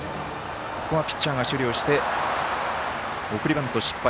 ピッチャーが処理をして送りバント失敗。